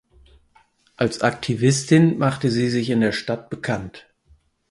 Als Aktivistin machte sie sich in der Stadt bekannt.